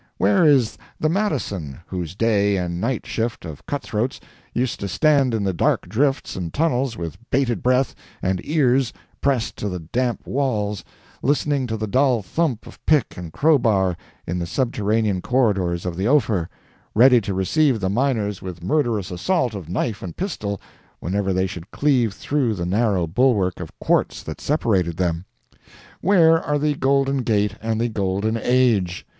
Where is the Madison, whose day and night shift of cut throats used to stand in the dark drifts and tunnels with bated breath and ears pressed to the damp walls, listening to the dull thump of pick and crowbar in the subterranean corridors of the Ophir, ready to receive the miners with murderous assault of knife and pistol whenever they should cleave through the narrow bulwark of quartz that separated them? Where are the Golden Gate and the Golden Age?